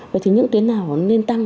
vậy thì những tuyến nào nên tăng